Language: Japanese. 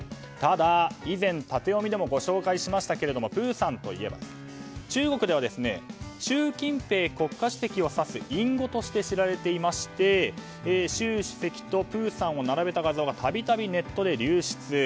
ただ、以前タテヨミでもご紹介しましたがプーさんといえば中国では習近平国家主席を指す隠語として知られていまして習主席とプーさんを並べた画像がたびたびネットで流出。